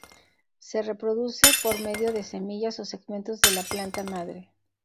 Se reproduce por medio de semillas o segmentos de la planta madre.